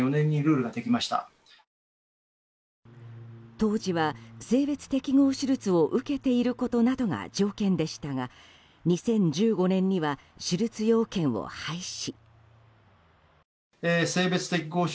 当時は、性別適合手術を受けていることなどが条件でしたが２０１５年には手術要件を廃止。